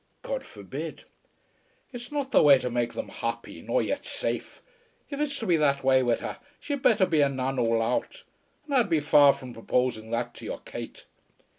"God forbid." "It's not the way to make them happy, nor yet safe. If it's to be that way wid her, she'd better be a nun all out; and I'd be far from proposing that to your Kate."